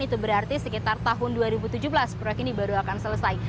itu berarti sekitar tahun dua ribu tujuh belas proyek ini baru akan selesai